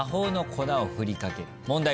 問題